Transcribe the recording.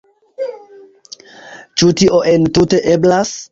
Ĉu tio entute eblas?